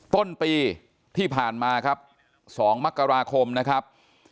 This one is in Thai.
ต้นปีที่ผ่านมาครับ๒มกราคมนะครับ